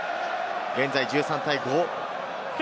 現在１３対５。